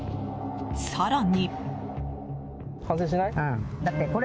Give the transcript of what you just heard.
更に。